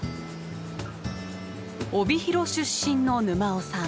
帯広出身の沼尾さん。